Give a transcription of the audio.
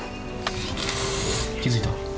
気付いた？